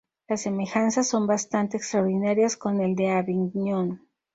Las semejanzas son bastante extraordinarias con el de Avignon.